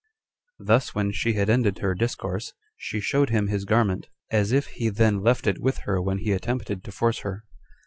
Thus when she had ended her discourse, she showed him his garment, as if he then left it with her when he attempted to force her.